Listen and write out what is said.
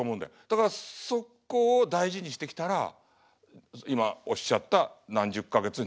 だからそこを大事にしてきたら今おっしゃった何十か月になったの。